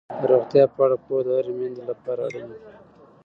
د روغتیا په اړه پوهه د هرې میندې لپاره اړینه ده.